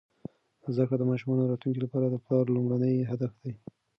زده کړه د ماشومانو راتلونکي لپاره د پلار لومړنی هدف دی.